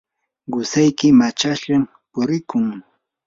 qusayki machashllam purikun.